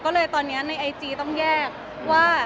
ก็เลยตอนนี้ในไอจีต้องแยกว่า